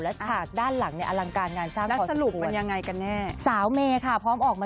แล้วขากด้านหลังอะไรอลังการงานสร้างพอสภวร